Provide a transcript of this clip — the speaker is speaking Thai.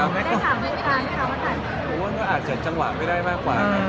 ผมว่าอาจจะจัดจังหวะไม่ได้มากกว่า